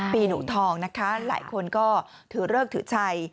ปีหนูทองนะคะหลายคนก็ถือเลิกถือชัย